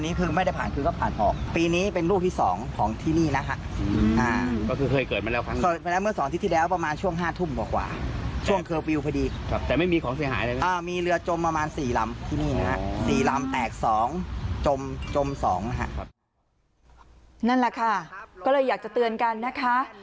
นั่นแหละค่ะก็เลยอยากจะเตือนกันนะคะ